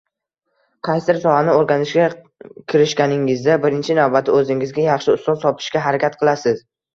Qaysidir sohani o’rganishga kirishganingizda birinchi navbatda o’zingizga yaxshi ustoz topishga harakat qilasiz